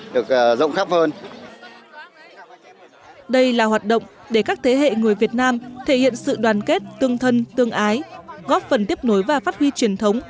đây là hoạt động để các thế hệ người việt nam thể hiện sự đoàn kết tương thân tương ái góp phần tiếp nối và phát huy truyền thống